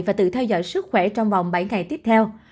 và tự theo dõi sức khỏe trong vòng bảy ngày tiếp theo